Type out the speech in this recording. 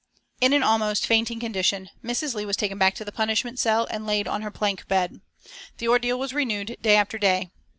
In an almost fainting condition Mrs. Leigh was taken back to the punishment cell and laid on her plank bed. The ordeal was renewed day after day.